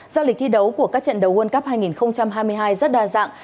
do lịch thi đấu của các trận đấu world cup hai nghìn hai mươi hai rất đa dạng